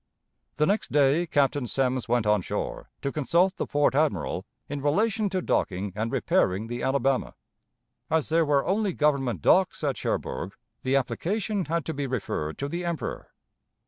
The next day Captain Semmes went on shore to consult the port admiral "in relation to docking and repairing" the Alabama. As there were only government docks at Cherbourg, the application had to be referred to the Emperor.